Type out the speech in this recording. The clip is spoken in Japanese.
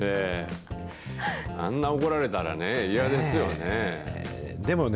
あんな怒られたらね、いやですよでもね、